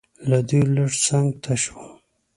له دوی لږ څنګ ته شوم.